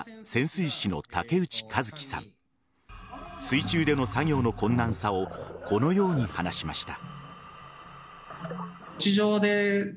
水中での作業の困難さをこのように話しました。